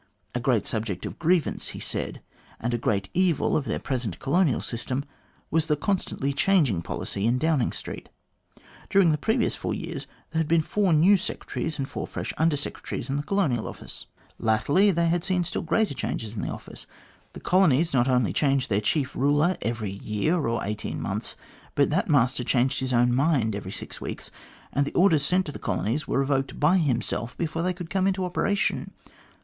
A great subject of grievance, he said, and a great evil of their present colonial system, was the constantly changing policy in Downing Street. During the previous four years there had been four new Secretaries and four fresh Under Secretaries in the Colonial Office. Latterly 240 THE GLADSTONE COLONY they had seen still greater changes in the office. The colonies not only changed their chief ruler every year or eighteen months, but that master changed his own mind every six weeks, and the orders sent to the colonies were revoked by himself before they could come into operation.